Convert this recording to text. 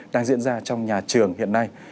đang diễn ra trong nhà trường hiện nay